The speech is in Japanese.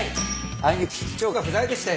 あいにく室長が不在でして。